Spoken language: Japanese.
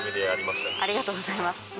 ありがとうございます